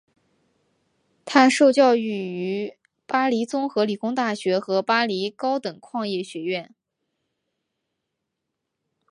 他受教育于巴黎综合理工大学和巴黎高等矿业学院。